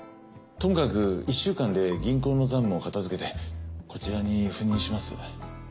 ともかく１週間で銀行の残務を片づけてこちらに赴任します。